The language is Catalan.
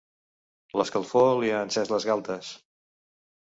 L'escalfor li ha encès les galtes.